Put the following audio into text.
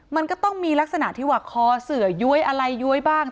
มันก็ต้องมีลักษณะที่ว่าคอเสือย้วยอะไรย้วยบ้าง